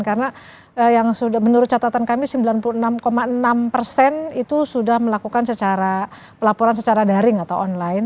karena yang sudah menurut catatan kami sembilan puluh enam enam itu sudah melakukan pelaporan secara daring atau online